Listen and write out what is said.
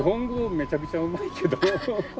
めちゃくちゃうまいけど。